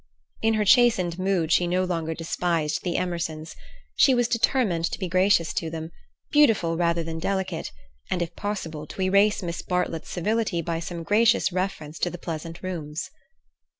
In her chastened mood she no longer despised the Emersons. She was determined to be gracious to them, beautiful rather than delicate, and, if possible, to erase Miss Bartlett's civility by some gracious reference to the pleasant rooms.